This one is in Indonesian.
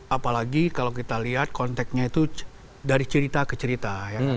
apalagi kalau kita lihat konteknya itu dari cerita ke cerita